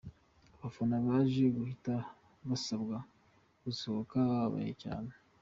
Abafana baje guhita basabwa gusohoka bababaye cyane.